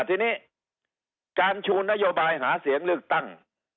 ทีนี้การชูนโยบายหาเสียงเลือกตั้ง